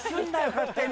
勝手に！